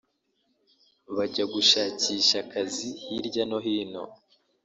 bajya gushakisha akazi hirya no hino